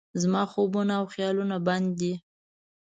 زما خوبونه او خیالونه بند دي